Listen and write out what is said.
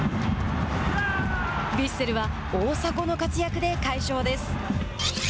ヴィッセルは大迫の活躍で快勝です。